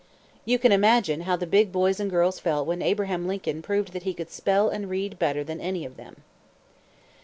You can imagine how the big boys and girls felt when Abraham Lincoln proved that he could spell and read better than any of them.